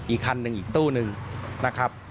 อีกคันหนึ่งอีกตู้นึงนะครับ